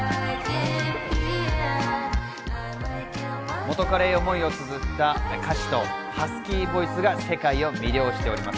元カレへの思いをつづった歌詞とハスキーボイスが世界を魅了しております。